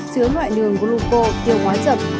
chứa loại đường glucose tiêu hóa chậm